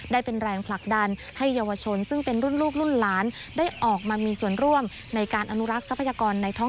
ได้เป็นแรงผลักดันให้เยาวชน